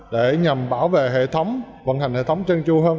để nhằm bảo vệ hệ thống vận hành hệ thống trân tru hơn